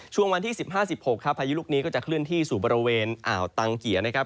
วันที่๑๕๑๖ครับพายุลูกนี้ก็จะเคลื่อนที่สู่บริเวณอ่าวตังเกียร์นะครับ